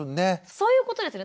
そういうことですね。